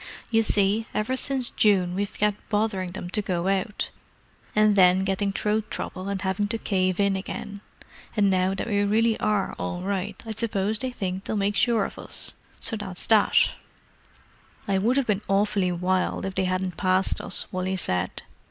You see, ever since June we've kept bothering them to go out, and then getting throat trouble and having to cave in again; and now that we really are all right I suppose they think they'll make sure of us. So that's that." "I would have been awfully wild if they hadn't passed us," Wally said.